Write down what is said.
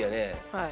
はい。